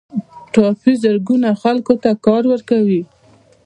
ټاپي زرګونه خلکو ته کار ورکوي